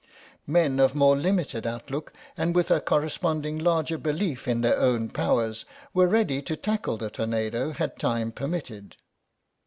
Men of more limited outlook and with a correspondingly larger belief in their own powers were ready to tackle the tornado had time permitted.